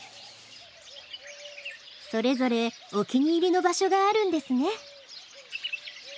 それぞれお気に入りの場所があるんですね。